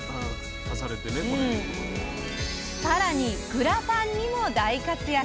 更にグラタンにも大活躍。